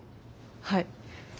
はい。